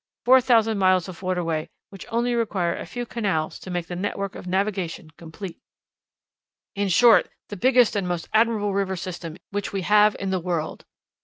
Four thousand miles of waterway, which only require a few canals to make the network of navigation complete!" "In short, the biggest and most admirable river system which we have in the world."